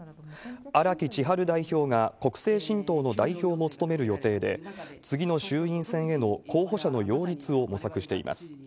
荒木千陽代表が国政新党の代表も務める予定で、次の衆院選への候補者の擁立を模索しています。